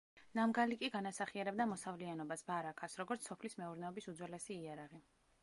ნამგალი კი განასახიერებდა მოსავლიანობას, ბარაქას, როგორც სოფლის მეურნეობის უძველესი იარაღი.